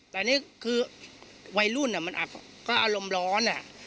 แต่อันนี้คือวายรุ่นมันขอบค้าอรมร้อนอ่ะ